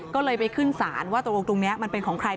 ก็เลยไปขึ้นศาลว่าตกลงตรงนี้มันเป็นของใคร